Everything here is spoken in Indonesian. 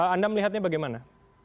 anda melihatnya bagaimana